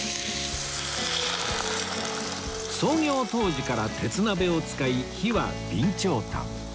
創業当時から鉄鍋を使い火は備長炭